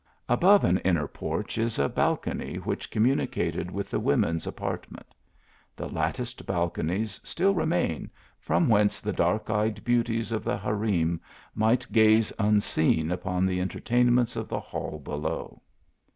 Above an inner porch, is a balcony which communicated with the. women s apartment. The latticed balconies still remain, from whence the dark eyed beauties of the harem might gaze unseen upon the entertainments of the hall below.